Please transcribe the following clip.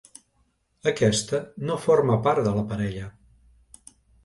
Aquesta no forma part de la parella.